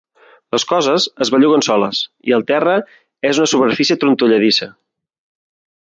Les coses es belluguen soles i el terra és una superfície trontolladissa.